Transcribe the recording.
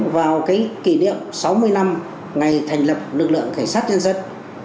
vào cái kỷ niệm sáu mươi năm ngày thành lập lực lượng cảnh sát nhân dân